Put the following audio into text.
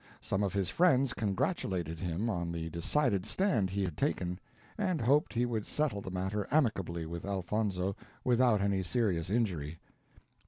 Some of his friends congratulated him on the decided stand he had taken, and hoped he would settle the matter amicably with Elfonzo, without any serious injury.